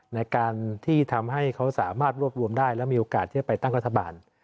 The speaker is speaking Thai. ในการที่ทำให้เขาสามารถรวบรวมได้แล้วมีโอกาสที่จะไปตั้งรัฐบาล